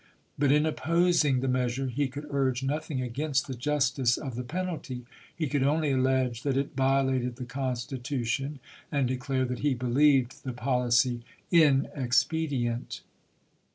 But in opposing the measure he could urge nothing against the Justice of the penalty ; he could only allege that it violated the Constitution, and declare that he believed the policy inexpedient.